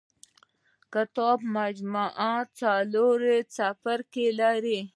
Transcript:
کتاب مجموعه څلور څپرکي لري.